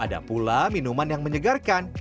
ada pula minuman yang menyegarkan